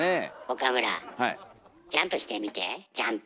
岡村ジャンプしてみてジャンプ。